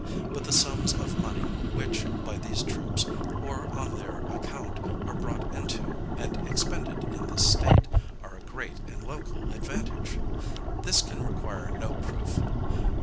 But the sums of money, which, by these troops, or on their account, are brought into, and expended in this State, are a great and local advantage. This can require no proof.